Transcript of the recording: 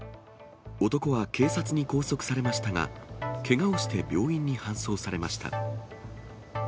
男は警察に拘束されましたが、けがをして病院に搬送されました。